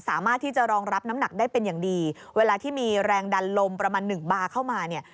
สามารถที่จะรองรับน้ำหนักได้เป็นอย่างดีเวลาที่มีแรงดันลมประมาณหนึ่งบาร์เข้ามาเนี่ย